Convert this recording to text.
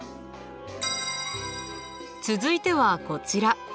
続いてはこちら。